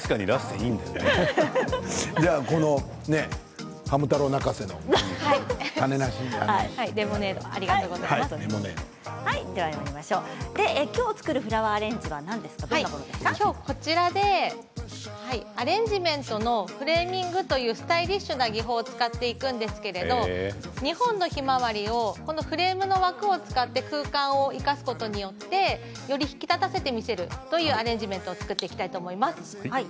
じゃあこのきょう作るアレンジメントのフレーミングというスタイリッシュな技法を使っていくんですけれど２本のヒマワリをこのフレームの枠を使って空間を生かすことによってより引き立たせて見せるというアレンジメントを作っていきたいと思います。